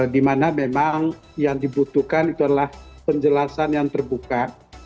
dimana memang yang dibutuhkan itu adalah penjelasan yang terbuka